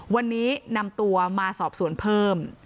วันนี้นำตัวมาสอบสวนเพิ่ม